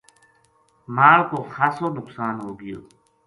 مال کو خاصو نقصان ہوگیو